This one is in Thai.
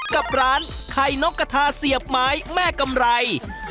กับร้านไข่นกกระทาเสียบไม้แม่กำไร